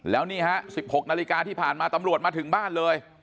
แล้วนี่ฮะ๑๖นาฬิกาที่ผ่านมาตำรวจมาถึงบ้านเลย